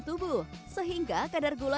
tubuh sehingga kadar gula